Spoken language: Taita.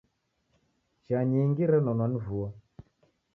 Chia nyingi renonwa ni vua.